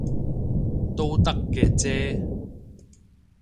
都得嘅啫